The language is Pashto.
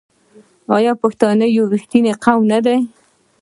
آیا پښتون یو رښتینی قوم نه دی؟